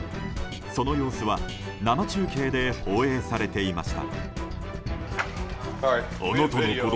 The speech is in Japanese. その様子は生中継で放映されていました。